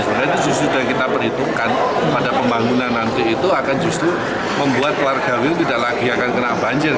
sebenarnya itu sudah kita perhitungkan pada pembangunan nanti itu akan justru membuat warga wiu tidak lagi akan kena banjir